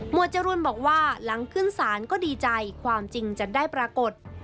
จรูนบอกว่าหลังขึ้นศาลก็ดีใจความจริงจะได้ปรากฏ